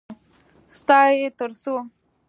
_ستا يې تر څو؟